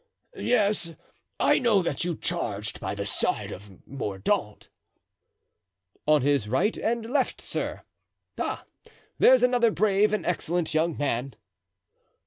"Yes, I know that you charged by the side of Mordaunt." "On his right and left, sir. Ah! there's another brave and excellent young man."